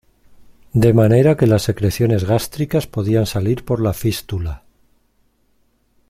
De manera que las secreciones gástricas podían salir por la fístula.